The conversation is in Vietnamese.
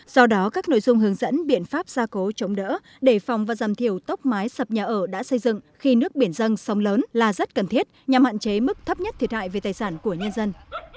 do đó các nội dung hướng dẫn biện pháp gia cố chống đỡ đề phòng và giảm thiểu tốc mái sập nhà ở đã xây dựng khi nước biển dâng sông lớn là rất cần thiết nhằm hạn chế mức thấp nhất thiệt hại về tài sản của nhân dân